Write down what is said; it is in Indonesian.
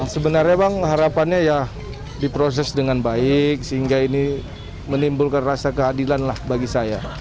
sebenarnya bang harapannya ya diproses dengan baik sehingga ini menimbulkan rasa keadilan lah bagi saya